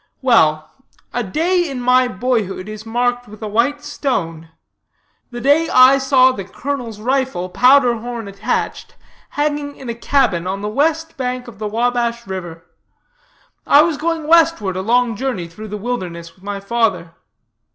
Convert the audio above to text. Well, a day in my boyhood is marked with a white stone the day I saw the colonel's rifle, powder horn attached, hanging in a cabin on the West bank of the Wabash river. I was going westward a long journey through the wilderness with my father.